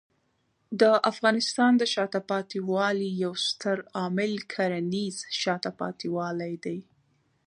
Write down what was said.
د افغانستان د شاته پاتې والي یو ستر عامل کرنېز شاته پاتې والی دی.